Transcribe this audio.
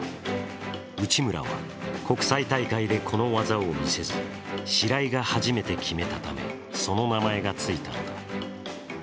内村は国際大会でこの技を見せず、白井が初めて決めたためその名前がついたのだ。